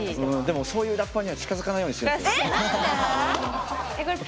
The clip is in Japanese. でもそういうラッパーには近づかないようにしてるんですよね。